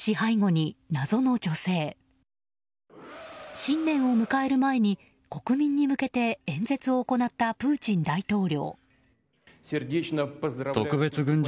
新年を迎える前に国民に向けて演説を行ったプーチン大統領。